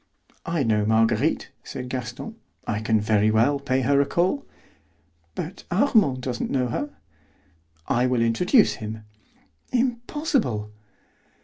"I know Marguerite," said Gaston; "I can very well pay her a call." "But Armand doesn't know her." "I will introduce him." "Impossible."